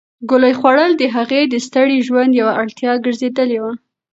ګولۍ خوړل د هغې د ستړي ژوند یوه اړتیا ګرځېدلې وه.